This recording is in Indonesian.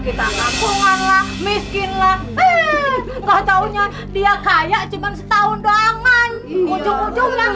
kita kampungan lah miskin lah eh kau taunya dia kayak cuman setahun doang man ujung ujungnya